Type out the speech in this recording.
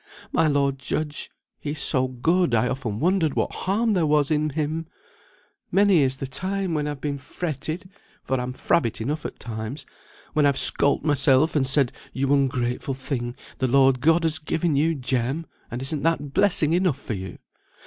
My lord judge, he's so good I often wondered what harm there was in him; many is the time when I've been fretted (for I'm frabbit enough at times), when I've scold't myself, and said, 'You ungrateful thing, the Lord God has given you Jem, and isn't that blessing enough for you?'